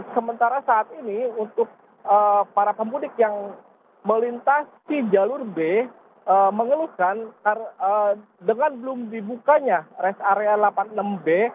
sementara saat ini untuk para pemudik yang melintasi jalur b mengeluhkan dengan belum dibukanya rest area delapan puluh enam b